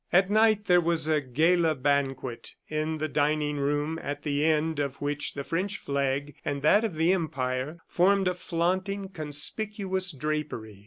At night there was a gala banquet in the dining room at the end of which the French flag and that of the Empire formed a flaunting, conspicuous drapery.